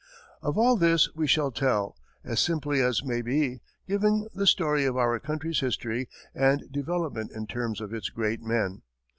Of all this we shall tell, as simply as may be, giving the story of our country's history and development in terms of its great men.